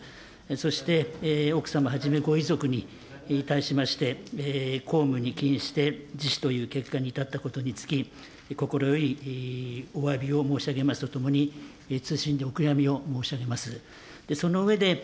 そして、奥様はじめご遺族に対しまして、公務にして自死という結果にたったことにつき、心よりおわびを申し上げますとともに、謹んでお悔やみを申し上げます。